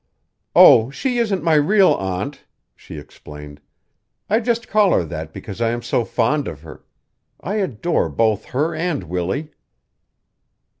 "Oh, she isn't my real aunt," she explained. "I just call her that because I am so fond of her. I adore both her and Willie."